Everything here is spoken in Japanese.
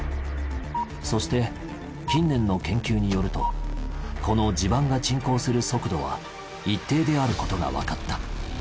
そして近年の研究によるとこの地盤が沈降する速度は一定であることがわかった。